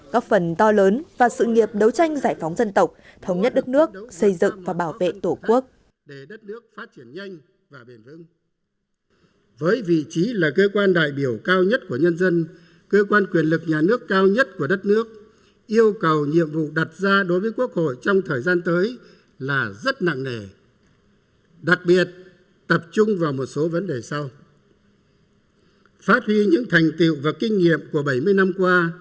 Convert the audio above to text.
có phần to lớn và sự nghiệp đấu tranh giải phóng dân tộc thống nhất đất nước xây dựng và bảo vệ tổ quốc